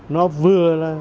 nó vừa là